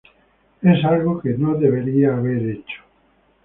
Es algo que no debería haber hecho.